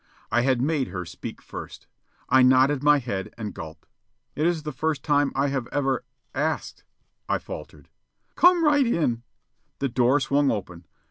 I had made her speak first. I nodded my head and gulped. "It is the first time I have ever ... asked," I faltered. "Come right in." The door swung open.